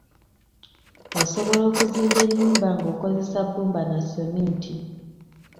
Osobola okuzimba ennyumba nga okozesa bbumba na sementi.